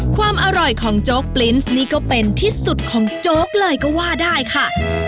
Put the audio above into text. ความอร่อยของโจ๊กปลิ้นซ์นี่ก็เป็นที่สุดของโจ๊กเลยก็ว่าได้ค่ะ